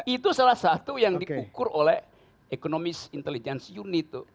itu salah satu yang diukur oleh economist intelligence unit itu